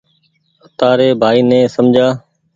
تآري ڀآئي ني سمجهآ